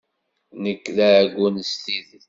Nekk d aɛeggun s tidet.